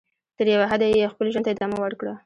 تر یوه حده یې خپل ژوند ته ادامه ورکړه.